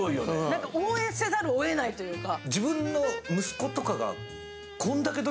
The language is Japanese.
応援せざるをえないというか。